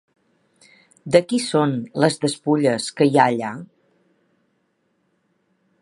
De qui són les despulles que hi ha allà?